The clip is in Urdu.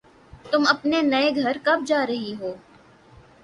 تم اپنے نئے گھر کب جا رہی ہو